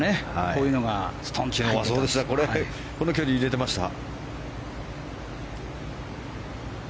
この距離を入れてました。